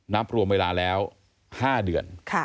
นับรวมเวลาแล้ว๕เดือน